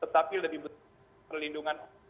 tetapi lebih berlindungan